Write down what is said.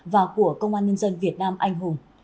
và của công an nhân dân việt nam anh hùng